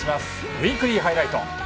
「ウイークリーハイライト」。